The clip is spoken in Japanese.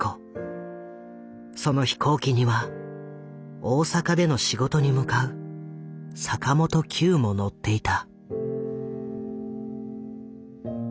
その飛行機には大阪での仕事に向かう坂本九も乗っていた。